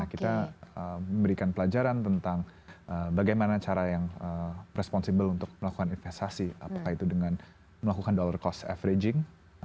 kita berikan pelajaran tentang bagaimana cara yang responsibel untuk melakukan investasi apakah itu dengan melakukan dollar cost averaging